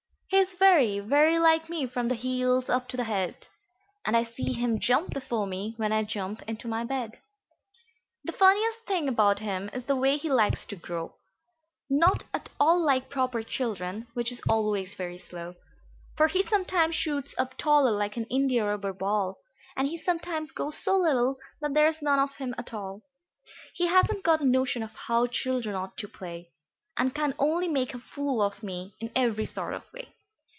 He is very, very like me from the heels up to the head; And I see him jump before me, when I jump into my bed. The funniest thing about him is the way he likes to grow Not at all like proper children, which is always very slow; For he sometimes shoots up taller like an india rubber ball, And he sometimes goes so little that there's none of him at all. He hasn't got a notion of how children ought to play, And can only make a fool of me in every sort of way.